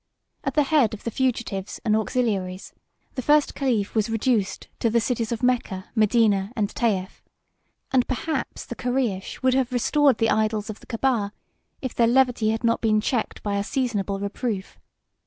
At the head of the fugitives and auxiliaries, the first caliph was reduced to the cities of Mecca, Medina, and Tayef; and perhaps the Koreish would have restored the idols of the Caaba, if their levity had not been checked by a seasonable reproof.